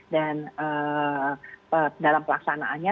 dan dalam pelaksanaannya